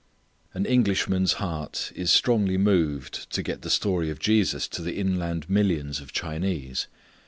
An Englishman's heart is strongly moved to get the story of Jesus to the inland millions of Chinese.